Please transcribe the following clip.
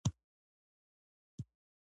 دا کار د دین اخلاقي بعد په نسبت دی.